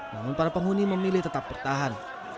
namun para penghuni memilih tetap bertahan